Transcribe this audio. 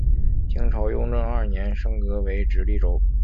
清朝雍正二年升格为直隶州。